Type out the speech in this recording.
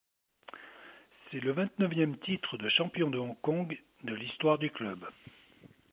C'est le vingt-neuvième titre de champion de Hong Kong de l'histoire du club.